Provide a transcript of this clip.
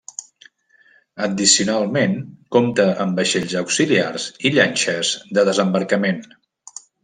Addicionalment, compta amb vaixells auxiliars i llanxes de desembarcament.